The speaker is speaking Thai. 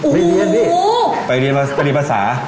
ไม่เรียนดิไปเรียนไปเรียนภาษา